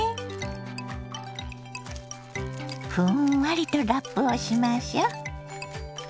ふんわりとラップをしましょ。